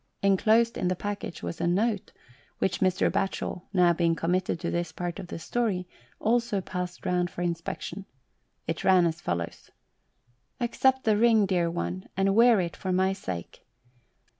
Enclosed in the package was a note which Mr. Batchel, being now committed to this part of the story, also passed round for inspection It ran as follows: — 100 LT7BRIETTA. "Accept the ring, dear one, and wear it for my sake.